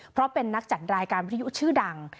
เพราะเป็นนักจัดรายการวิทยุชื่อดัง